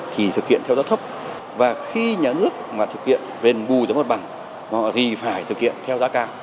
thì thực hiện theo giá thấp và khi nhà nước thực hiện đền bù giống bằng thì phải thực hiện theo giá cao